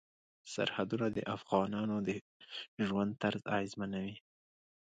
سرحدونه د افغانانو د ژوند طرز اغېزمنوي.